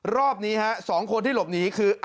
รอบนี้๒คนที่หลบหนีคือ